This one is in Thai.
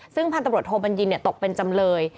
ซึ่งพันตำรวจโทบัญญินตกเป็นจำเลย